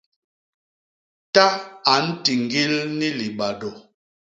Ta a ntiñgil ni libadô.